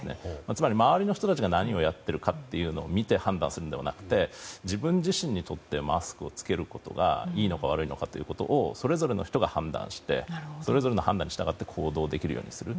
つまり、周りの人たちが何をやってるのかを見て判断するのではなくて自分自身にとってマスクを着けることがいいのか悪いのかっていうことをそれぞれの人が判断してそれぞれの判断に従って行動できるようにする。